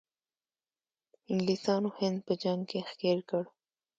انګلیسانو هند په جنګ کې ښکیل کړ.